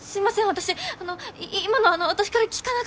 私あの今の私から聞かなかったことに。